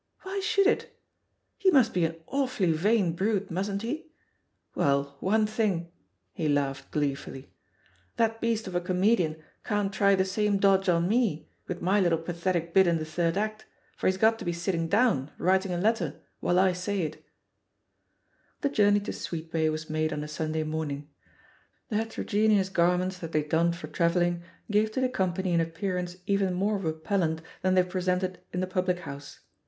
Why should it? He must 48 THE POSITION OF PEGGY HARPER be an awfully vain brute, mustn't he? Well, one thing I" he laughed gleefully; "that beast of a comedian can't try the same dodge on me, with my little pathetic bit in the third act, for he's got to be sitting down, writing a letter, while I say it/' The journey to Sweetbay was made on a Sun day morning; the heterogeneous garments that they donned for travelling gave to the company an appearance even more repellent than they presented in the public house.